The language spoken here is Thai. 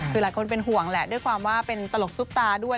คือหลายคนเป็นห่วงแหละด้วยความว่าเป็นตลกซุปตาด้วย